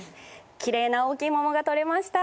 きれいな大きい桃が採れました。